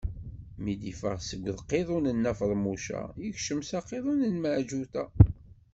Mi d-iffeɣ seg uqiḍun n Nna Feḍmuca, ikcem s aqiḍun n Meɛǧuṭa.